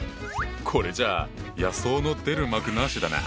これじゃあ野草の出る幕なしだな。